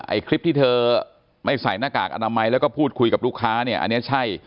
คลิปที่เธอไม่ใส่หน้ากากอนามัยแล้วก็พูดคุยกับลูกค้าเนี่ยอันนี้ใช่